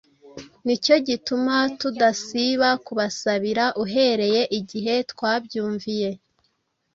Nicyo gituma tudasiba kubasabira uhereye igihe twabyumviye,